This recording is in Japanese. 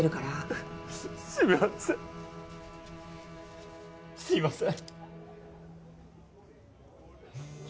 ううっすみませんすいません。